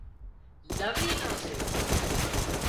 لوِي نان سي